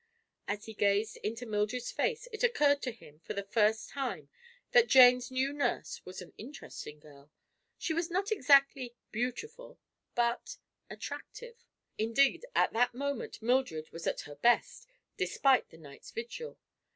As he gazed into Mildred's face it occurred to him, for the first time, that Jane's new nurse was an interesting girl. She was not exactly beautiful, but—attractive. Indeed, at that moment Mildred was at her best, despite the night's vigil.